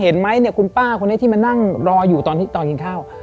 เห็นไหมคุณป้าคนนี้ที่มานั่งรออยู่ตอนกินข้าว